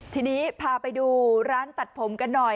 ทีนี้พาไปดูร้านตัดผมกันหน่อย